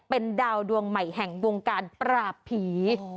เป็นดาวดวงใหม่แห่งวงการปราบผี